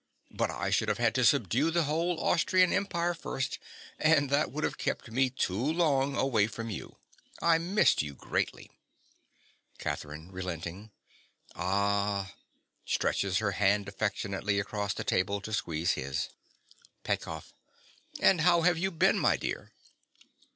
But I should have had to subdue the whole Austrian Empire first; and that would have kept me too long away from you. I missed you greatly. CATHERINE. (relenting). Ah! (Stretches her hand affectionately across the table to squeeze his.) PETKOFF. And how have you been, my dear?